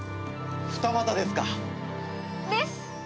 二股ですか。です！